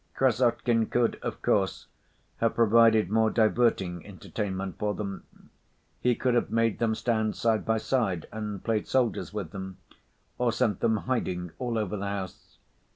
Krassotkin could, of course, have provided more diverting entertainment for them. He could have made them stand side by side and played soldiers with them, or sent them hiding all over the house.